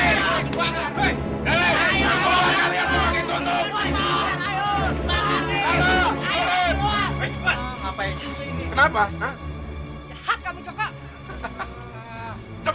jangan kembali kalian pakai susuk